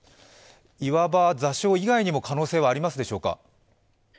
岩場、座礁以外にも可能性はありますでしょうか。